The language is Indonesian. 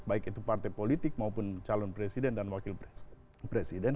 baik itu partai politik maupun calon presiden dan wakil presiden